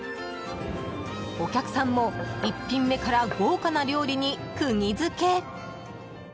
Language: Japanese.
お客さんも１品目から豪華な料理にくぎ付け。